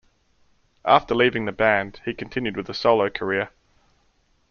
After leaving the band, he continued with a solo career.